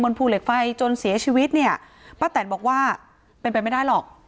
ภูเหล็กไฟจนเสียชีวิตเนี่ยป้าแตนบอกว่าเป็นไปไม่ได้หรอก